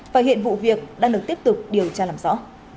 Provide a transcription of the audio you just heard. và hiện vụ việc đang được tiếp tục điều tra làm rõ